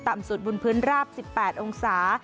สุดบนพื้นราบ๑๘องศา